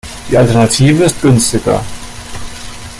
Die Alternative ist günstiger.